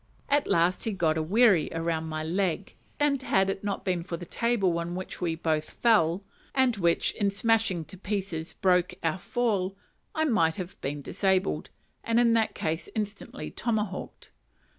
At last he got a wiri round my leg; and had it not been for the table on which we both fell, and which, in smashing to pieces, broke our fall, I might have been disabled, and in that case instantly tomahawked.